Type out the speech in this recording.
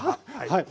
はい。